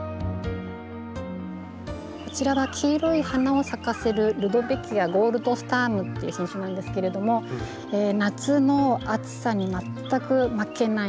こちらは黄色い花を咲かせるルドベキア・ゴールドスタームっていう品種なんですけれども夏の暑さに全く負けない植物ですねルドベキア。